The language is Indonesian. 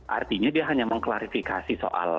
artinya dia hanya mengklarifikasi soal